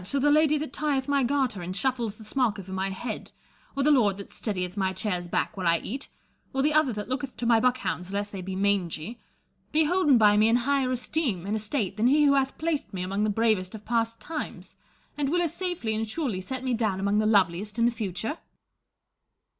shall the lady that tieth my garter and shufiles the smock over my head, or the lord that steadieth my chair's back while I eat, or the other that looketh to my buck hounds lest they be mangy, be holden QUEEN ELIZABETH AND CECIL. 7 by me in higher esteem and estate than he who hath placed me among the bravest of past times, and will as safely and surely set me down among the loveliest in the future 1 Cecil.